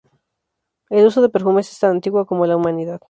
El uso de perfumes es tan antiguo como la humanidad.